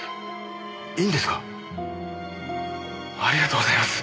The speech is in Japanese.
ありがとうございます！